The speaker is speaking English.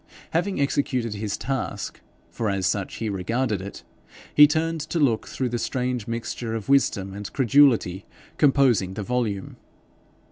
Having executed his task, for as such he regarded it, he turned to look through the strange mixture of wisdom and credulity composing the volume.